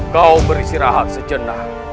kau beristirahat secenai